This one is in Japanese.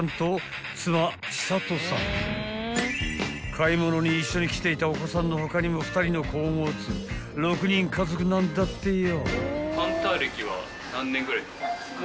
［買い物に一緒に来ていたお子さんの他にも２人の子を持つ６人家族なんだってよ］